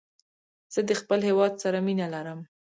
زه د خپل هېواد سره مینه لرم.